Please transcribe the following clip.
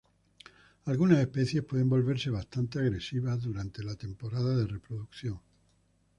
Algunas especies pueden volverse bastante agresivas durante la temporada de reproducción.